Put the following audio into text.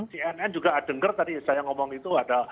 cnn juga ada denger tadi saya ngomong itu ada